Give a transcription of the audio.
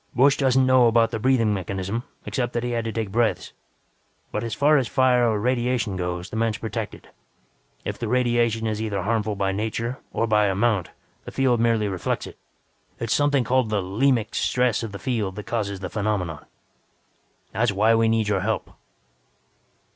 Busch doesn't know about the breathing mechanism, except that he had to take breaths. But as far as fire or radiation goes, the man's protected. If the radiation is either harmful by nature or by amount, the field merely reflects it. It is something called the 'lemic stress' of the field that causes the phenomenon. "That's why we need your help."